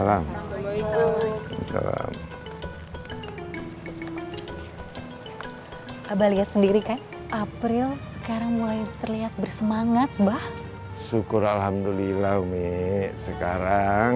abah lihat sendiri kan april sekarang mulai terlihat bersemangat bah syukur alhamdulillah mi sekarang